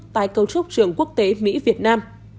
tại cầu trúc trường quốc tế mỹ việt nam